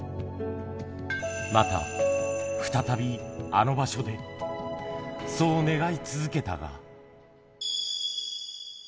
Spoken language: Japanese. また、再びあの場所で、そう願い続けたが。